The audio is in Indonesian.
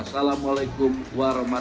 bapak adalah argumen yang berlebihan